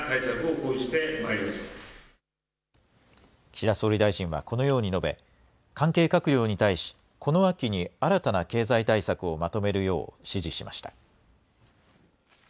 岸田総理大臣はこのように述べ、関係閣僚に対し、この秋に新たな経済対策をまとめるよう指示しました。